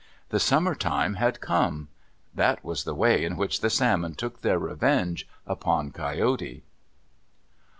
The summer time had come. That was the way in which the salmon took their revenge upon Coyote.